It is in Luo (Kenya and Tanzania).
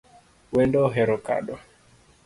Wendo ohero kado